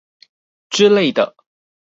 之類的！